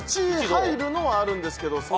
１入るのはあるんですけど。